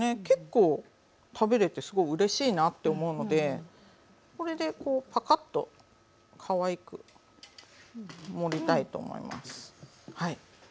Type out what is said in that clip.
結構食べれてすごいうれしいなって思うのでこれでこうぱかっとかわいく盛りたいと思います。